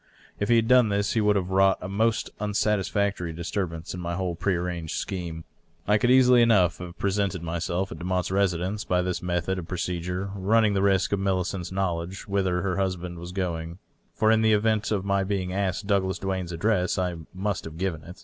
If he had done this he would have wrought a most unsatisfactory disturbance in my whole prearranged scheme. I could easily enough have presented myself at I)emotte's residence, by this method of procedure running the risk of Millicent's knowledge whither her husband was going — for in the event of my being askei Douglas Duane's address I must have given it.